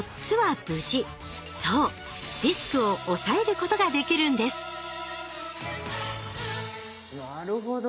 そうリスクを抑えることができるんですなるほど。